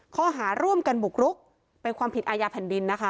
ข้อหาร่วมกันบุกรุกเป็นความผิดอาญาแผ่นดินนะคะ